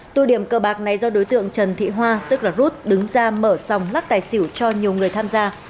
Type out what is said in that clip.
tụ điểm cơ bạc này do đối tượng trần thị hoa tức là ruth đứng ra mở xong lắc tài xỉu cho nhiều người tham gia